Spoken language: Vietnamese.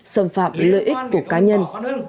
xâm phạm lợi ích của cá nhân